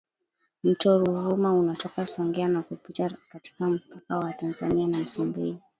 Mto Ruvuma unatoka Songea na kupita katika mpaka wa Tanzania na Msumbiji